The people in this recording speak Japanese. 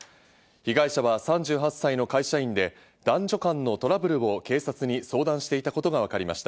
被害者は３８歳の会社員で、男女間のトラブルを警察に相談していたことがわかりました。